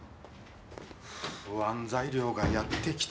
不安材料がやってきたぞ。